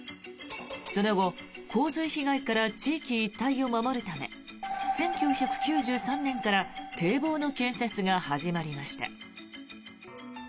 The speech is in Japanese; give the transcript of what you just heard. その後、洪水被害から地域一帯を守るため１９９３年から堤防の建設が始まりました。